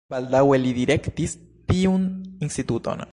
Baldaŭe li direktis tiun instituton.